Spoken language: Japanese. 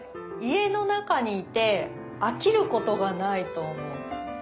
家の中にいて飽きることがないと思う。